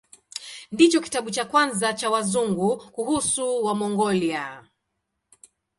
Ndicho kitabu cha kwanza cha Wazungu kuhusu Wamongolia.